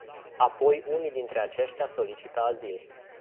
Apoi unii dintre aceștia solicită azil.